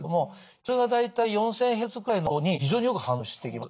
それが大体４，０００ヘルツくらいの音に非常によく反応してきます。